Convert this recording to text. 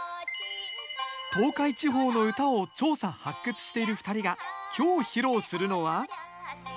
東海地方の唄を調査・発掘している２人が今日披露するのは。